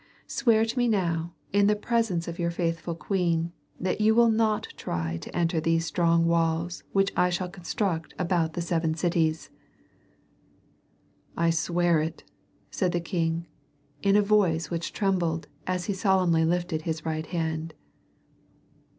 Swear to me now in the presence of your faithful queen that you will not try to enter these strong walls which I shall construct about the seven cities." "I swear it," said the king in a voice which trembled as he solemnly lifted his right hand.